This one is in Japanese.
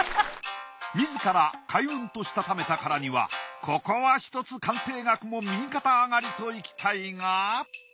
みずから開運としたためたからにはここはひとつ鑑定額も右肩上がりといきたいが。